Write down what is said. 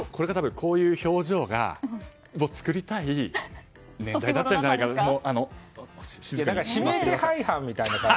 こういう表情を作りたい年齢だったんじゃないかなと。